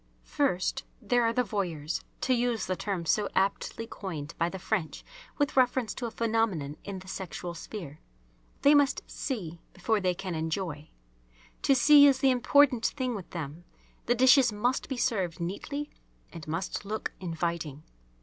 First, there are the "Voyeurs," to use the term so aptly coined by the French with reference to a phenomenon in the sexual sphere. They must "see" before they can enjoy. To see is the important thing with them. The dishes must be served neatly and must look inviting.